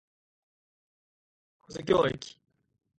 保津峡駅